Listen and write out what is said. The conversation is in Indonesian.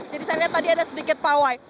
jadi saya lihat tadi ada sedikit pawai